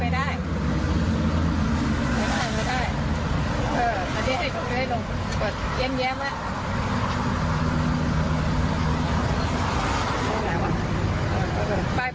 ไม่ได้เอออันนี้ให้ลงให้ลง